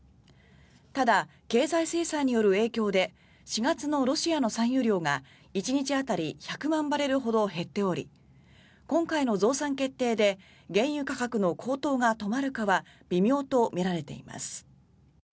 ただ、経済制裁による影響で４月のロシアの産油量が１日当たり１００万バレルほど減っており今回の増産決定で原油価格の高騰が止まるかは微妙とみられています。